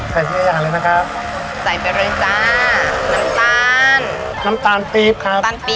ใส่ที่อาหารเลยนะครับใส่ไปเลยจ้ะน้ำตาลน้ำตาลปี๊บครับ